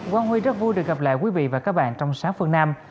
quang huy rất vui được gặp lại quý vị và các bạn trong sáng phương nam